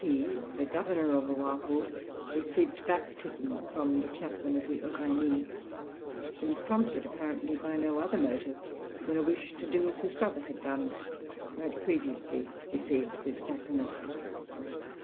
Boki, the governor of Waihou, received baptism from the chaplain of the Uranie. He was prompted apparently by no other motive than a wish to do as his brother had done, who had previously received this sacrament.